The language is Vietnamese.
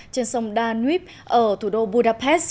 trên sông danube ở thủ đô budapest